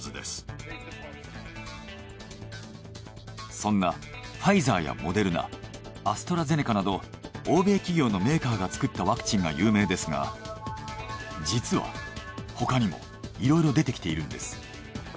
そんなファイザーやモデルナアストラゼネカなど欧米企業のメーカーが作ったワクチンが有名ですが実は他にもいろいろ出てきているんです。